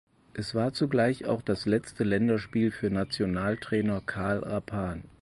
Es war zugleich auch das letzte Länderspiel für Nationaltrainer Karl Rappan.